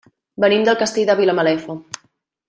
Venim del Castell de Vilamalefa.